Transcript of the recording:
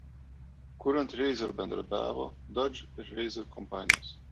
Kuriant Razor bendradarbiavo Dodge ir Razor kompanijos.